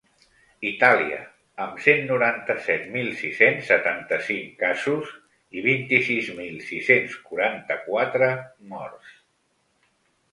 Itàlia, amb cent noranta-set mil sis-cents setanta-cinc casos i vint-i-sis mil sis-cents quaranta-quatre morts.